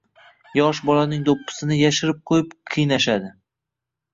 Yosh bolaning doʻppisini yashirib qoʻyib qiynashadi.